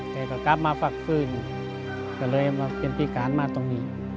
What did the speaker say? แต่ก็กลับมาฟักฟื้นก็เลยมาเป็นพิการมาตรงนี้